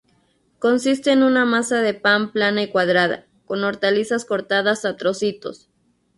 Consiste en una masa de pan plana y cuadrada, con hortalizas cortadas a trocitos.